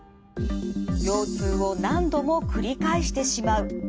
腰痛を何度も繰り返してしまう。